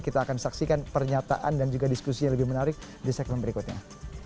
kita akan saksikan pernyataan dan juga diskusi yang lebih menarik di segmen berikutnya